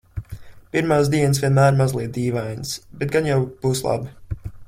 Pirmās dienas vienmēr mazliet dīvainas, bet gan jau būs labi.